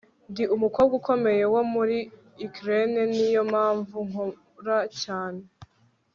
ndi umukobwa ukomeye wo muri ukraine, niyo mpamvu nkora cyane